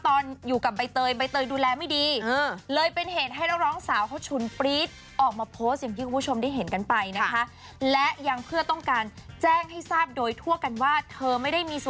ตอนอยู่กับใบเตยใบเตยดูแลไม่ดี